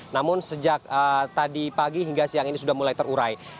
namun sejak tadi pagi hingga siang ini sudah mulai terurai